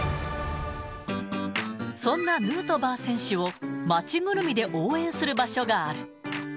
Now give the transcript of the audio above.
そんなヌートバー選手を、街ぐるみで応援する場所がある。